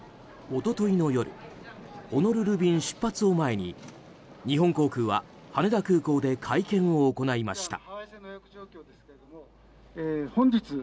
一昨日の夜ホノルル便出発を前に日本航空は羽田空港で会見を行いました。